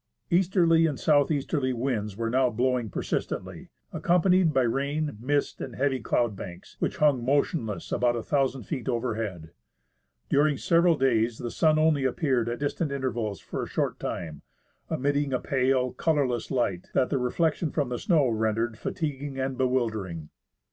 Easterly and south easterly winds were now blowing per 120 SEWARD GLACIER, DOME PASS, AND AGASSIZ GLACIER sistently, accompanied by rain, mist, and heavy cloud banks, which hung motionless about a thousand feet overhead. During several days the sun only appeared at distant interv^als for a short time, emitting a pale, colourless light that the reflection from the snow rendered fatiguing and bewildering.